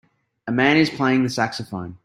A man is playing the saxophone.